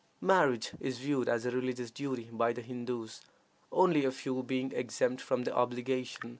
Marriage is viewed as a religious duty by the Hindoos, only a few being exempt from the obligation.